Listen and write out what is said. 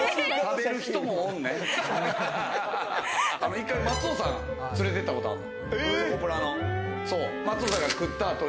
１回、松尾さん連れて行ったことあるの。